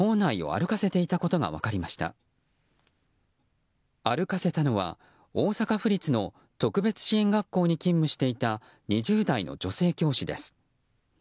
歩かせたのは大阪府立の特別支援学校に勤務していた２０代の女性教師です。